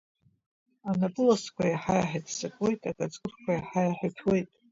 Анапы ласқәа иаҳа-иаҳа иццакуеит, акаҵкәырқәа иаҳа-иаҳа иҭәуеит.